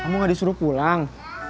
kamu nggak disuruh pulang